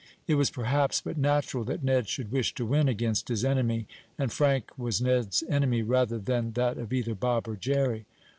It was perhaps but natural that Ned should wish to win against his enemy, and Frank was Ned's enemy rather than that of either Bob or Jerry.